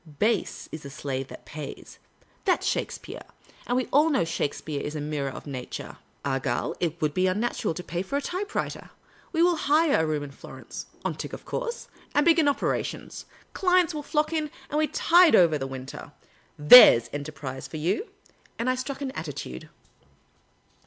' Base is the slave that pays.' That 's Shakespeare. And we all know Shakespeare is the mirror of nature. Argal, it would be unnatural to pay for a typewriter. We will hire a room in Florence (on tick, of course), and begin operations. Clients will flock in ; and we tide over the winter. There ' s enterprise for you !" And I struck an attitude.